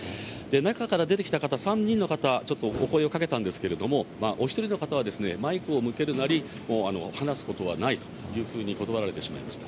中から出てきた方、３人の方、ちょっとお声をかけたんですけれども、お１人の方は、マイクを向けるなり話すことはないというふうに断られてしまいました。